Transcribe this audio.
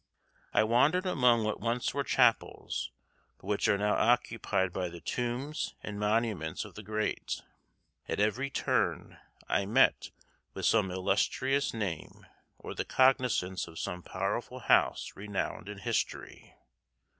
I wandered among what once were chapels, but which are now occupied by the tombs and monuments of the great. At every turn I met with some illustrious name or the cognizance of some powerful house renowned in history.